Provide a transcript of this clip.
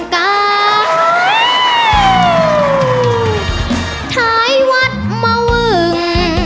สัตว์เมาอืม